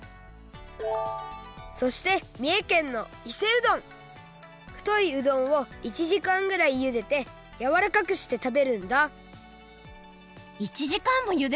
そしてみえけんのふというどんを１じかんぐらいゆでてやわらかくして食べるんだ１じかんもゆでるの？